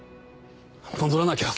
戻らなきゃ。